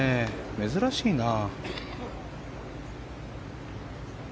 珍しいな。